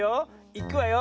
いくわよ。